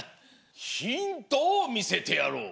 ヒントをみせてやろう。